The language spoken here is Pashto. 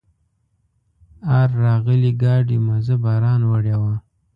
آر راغلي ګاډي مزه باران وړې وه.